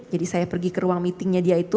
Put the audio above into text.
jadi saya pergi ke ruang meetingnya dia itu